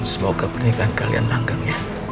semoga pernikahan kalian langgang ya